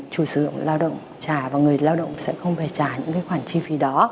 chủ sử dụng lao động trả và người lao động sẽ không phải trả những khoản chi phí đó